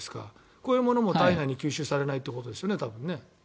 こういうのも体内に吸収されないということですよね。